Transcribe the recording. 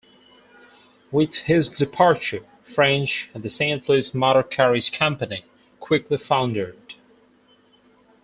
With his departure, French and the "Saint Louis Motor Carriage Company" quickly foundered.